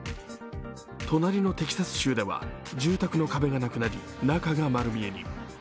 隣のテキサス州では住宅の壁がなくなり、中が丸見えに。